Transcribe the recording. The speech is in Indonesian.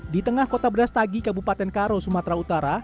di tengah kota brastagi kabupaten karo sumatera utara